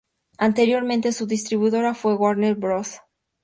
Anteriormente, su distribuidora fue Warner Bros.